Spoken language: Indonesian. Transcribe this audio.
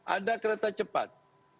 ada kereta cepat